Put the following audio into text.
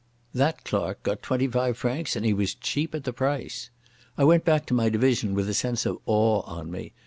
That clerk got twenty five francs, and he was cheap at the price. I went back to my division with a sense of awe on me.